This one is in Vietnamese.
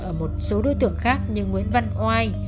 ở một số đối tượng khác như nguyễn văn oai